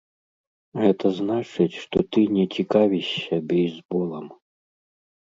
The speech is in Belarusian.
Гэта значыць, што ты не цікавішся бейсболам.